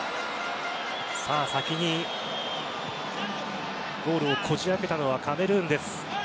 先にゴールをこじ開けたのはカメルーン。